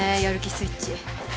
やる気スイッチ。